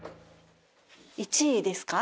１位ですか？